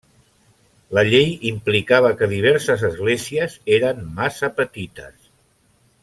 La llei implicava que diverses esglésies eren massa petites.